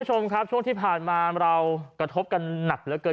คุณผู้ชมครับช่วงที่ผ่านมาเรากระทบกันหนักเหลือเกิน